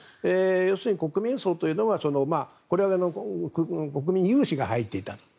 要するに国民葬というのは国民有志が入っていたと。